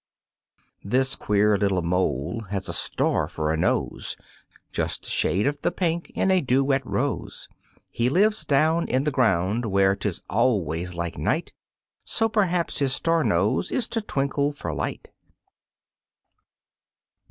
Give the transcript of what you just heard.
This queer little Mole has a star for a nose Just the shade of the pink in a dew wet rose. He lives down in the ground where 'tis always like night, So perhaps his star nose is to twinkle for light.